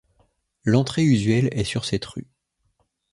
L'entrée usuelle est sur cette rue.